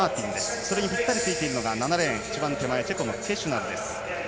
それにぴったりつくのが７レーン、一番手前チェコのケシュナルです。